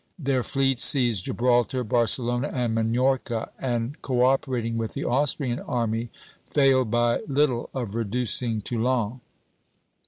Their fleets seized Gibraltar, Barcelona, and Minorca, and co operating with the Austrian army failed by little of reducing Toulon.